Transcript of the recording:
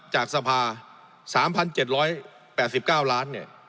จากสภา๓๗๘๙ล้านเนี่ย